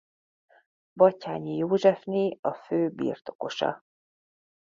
Batthyány Józsefné a fő birtokosa.